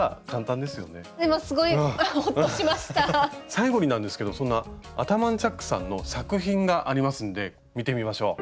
最後になんですけどそんなアタマンチャックさんの作品がありますんで見てみましょう。